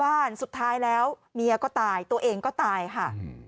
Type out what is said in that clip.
สุดท้ายแล้วเมียก็ตายตัวเองก็ตายค่ะ